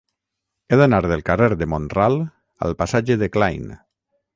He d'anar del carrer de Mont-ral al passatge de Klein.